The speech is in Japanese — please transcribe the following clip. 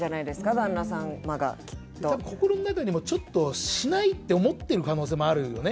旦那様がきっと多分心の中でもちょっとしないって思ってる可能性もあるよね